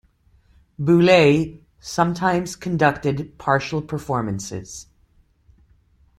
Boulez sometimes conducted partial performances.